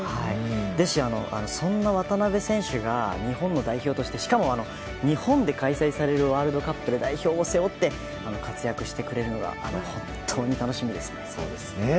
ですし、そんな渡邊選手が日本の代表としてしかも日本で開催されるワールドカップで代表を背負って活躍してくれるのが本当に楽しみですね。